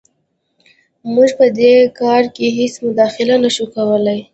موږ په دې کار کې هېڅ مداخله نه شو کولی.